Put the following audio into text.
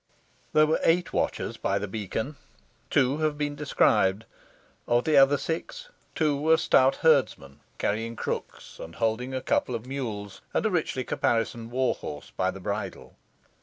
There were eight watchers by the beacon. Two have been described. Of the other six, two were stout herdsmen carrying crooks, and holding a couple of mules, and a richly caparisoned war horse by the bridle.